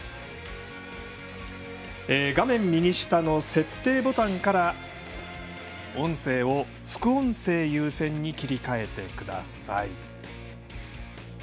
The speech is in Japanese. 画面右下の設定ボタンから音声を副音声優先に切り替えてください。